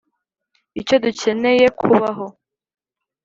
icyo dukeneye kubaho,